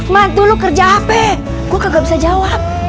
mantu lo kerja apa gue gak bisa jawab